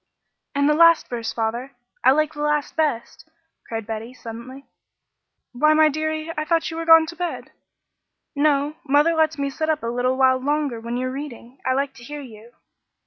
"And the last verse, father. I like the last best," cried Betty, suddenly. "Why, my deary. I thought you were gone to bed." "No, mother lets me sit up a little while longer when you're reading. I like to hear you."